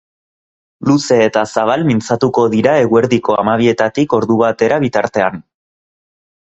Luze eta zabal mintzatuko dira eguerdiko hamabietatik ordubatera bitartean.